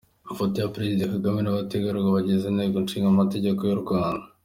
Ifoto ya Perezida Kagame n’abategarugori bagize Inteko Nshinga Mategeko y’u Rwanda